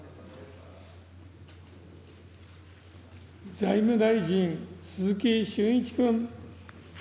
財務大臣、鈴木俊一君。